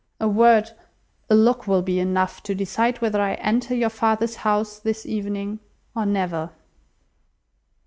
A word, a look, will be enough to decide whether I enter your father's house this evening or never."